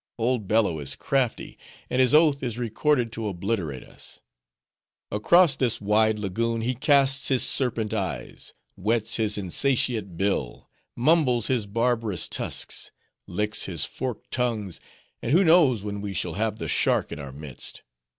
Old Bello is crafty, and his oath is recorded to obliterate us! Across this wide lagoon he casts his serpent eyes; whets his insatiate bill; mumbles his barbarous tusks; licks his forked tongues; and who knows when we shall have the shark in our midst?